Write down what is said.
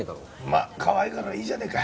まあかわいいからいいじゃねえか。